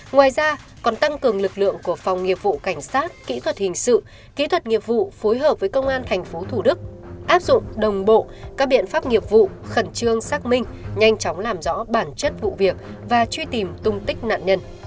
ngoài ra còn tăng cường lực lượng của phòng nghiệp vụ cảnh sát kỹ thuật hình sự kỹ thuật nghiệp vụ phối hợp với công an tp thủ đức áp dụng đồng bộ các biện pháp nghiệp vụ khẩn trương xác minh nhanh chóng làm rõ bản chất vụ việc và truy tìm tung tích nạn nhân